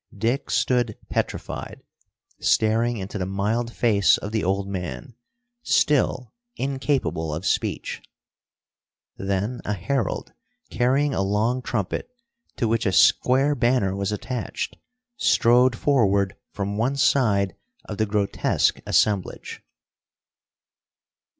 Dick stood petrified, staring into the mild face of the old man, still incapable of speech. Then a herald, carrying a long trumpet, to which a square banner was attached, strode forward from one side of the grotesque assemblage.